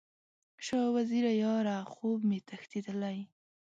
شاه وزیره یاره، خوب مې تښتیدلی